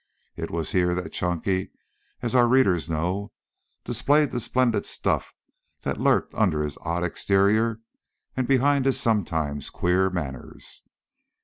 It was here that Chunky, as our readers know, displayed the splendid stuff that lurked under his odd exterior and behind his sometimes queer manners.